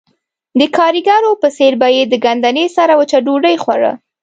د ګاریګرو په څېر به یې د ګندنې سره وچه ډوډۍ خوړه